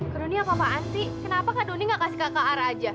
keruni apa pak asli kenapa kak duni gak kasih kakak ara aja